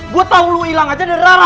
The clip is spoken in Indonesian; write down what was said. gue tau lo ilang aja dan rara